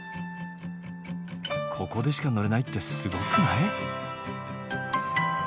ここでしか乗れないってすごくない？